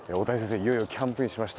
いよいよキャンプインしました。